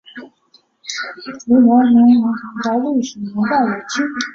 湖头贤良祠的历史年代为清。